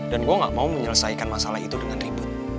dan gua ga mau menyelesaikan masalah itu dengan ribut